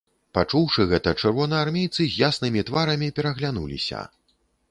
Пачуўшы гэта, чырвонаармейцы з яснымі тварамі пераглянуліся.